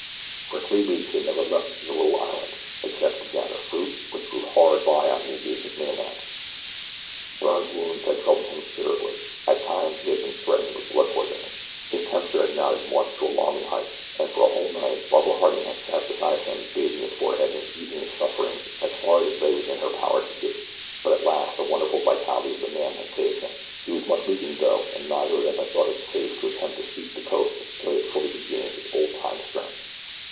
For three weeks they never left the little island except to gather fruit which grew hard by on the adjacent mainland. Byrne's wounds had troubled him considerably at times he had been threatened with blood poisoning. His temperature had mounted once to alarming heights, and for a whole night Barbara Harding had sat beside him bathing his forehead and easing his sufferings as far as it lay within her power to do; but at last the wonderful vitality of the man had saved him. He was much weakened though and neither of them had thought it safe to attempt to seek the coast until he had fully regained his old time strength.